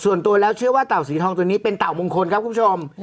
ส่วนตัวแล้วเชื่อว่าเต่าสีทองตัวนี้เป็นเต่ามงคลครับคุณผู้ชม